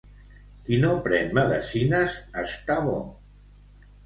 Qui no pren medecines està bo.